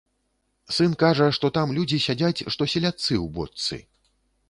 Сын кажа, што там людзі сядзяць, што селядцы ў бочцы.